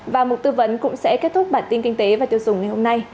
và một tư vấn cũng sẽ kết thúc bản tin kinh tế và tiêu dùng ngày hôm nay